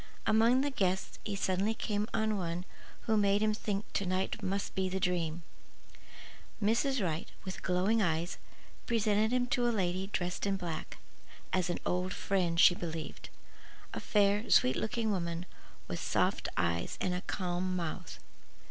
Among the guests he suddenly came on one who made him think to night must be the dream. Mrs. Wright, with glowing eyes, presented him to a lady dressed in black, as "an old friend, she believed:" a fair, sweet looking woman with soft eyes and a calm mouth.